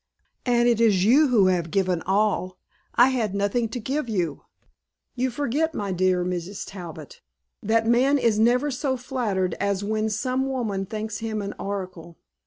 And it is you who have given all. I had nothing to give you." "You forget, my dear Mrs. Talbot, that man is never so flattered as when some woman thinks him an oracle.